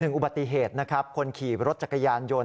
หนึ่งอุบัติเหตุคนขี่รถจักรยานยนต์